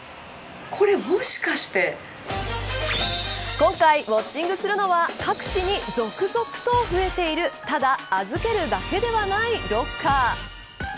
今回ウオッチングするのは各地に続々と増えているただ預けるだけではないロッカー。